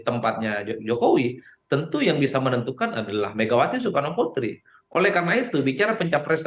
tempatnya jokowi tentu yang bisa menentukan adalah megawati soekarno putri oleh karena itu bicara pencapresan